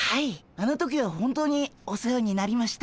あの時は本当にお世話になりました。